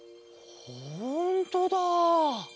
ほんとだ。